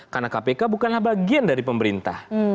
karena kpk bukanlah bagian dari pemerintah